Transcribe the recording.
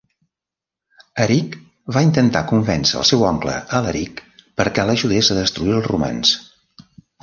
Aric va intentar convèncer el seu oncle, Alaric, perquè l'ajudés a destruir els romans.